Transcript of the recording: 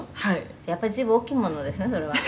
「やっぱり随分大きいものですよねそれは」